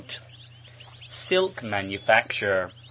Silk Mannfacture.